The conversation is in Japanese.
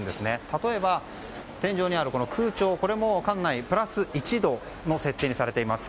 例えば、天井にある空調これも館内プラス１度の設定にされています。